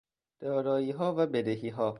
داراییها و بدهیها